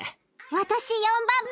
私４番目。